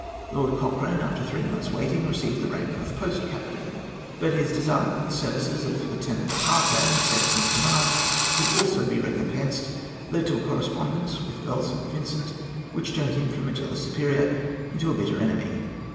Lord Cochrane, after three months' waiting, received the rank of post captain. But his desire that the services of Lieutenant Parker, his second in command, should also be recompensed led to a correspondence with Earl St. Vincent which turned him from a jealous superior into a bitter enemy.